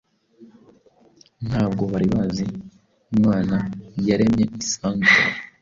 ntabwo bari bazi Imana yaremye isanzure.